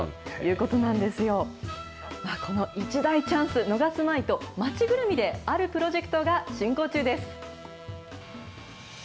この一大チャンス、逃すまいと、町ぐるみであるプロジェクトが進行中です。